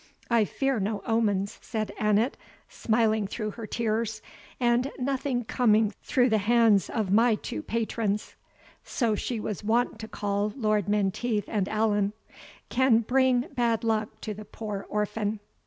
"I fear no omens," said Annot, smiling through her tears; "and nothing coming through the hands of my two patrons," so she was wont to call Lord Menteith and Allan, "can bring bad luck to the poor orphan."